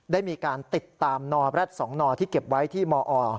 ได้มีการติดตามนอแร็ด๒นอที่เก็บไว้ที่มอ